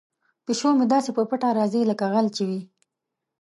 پیشو مې داسې په پټه راځي لکه غل چې وي.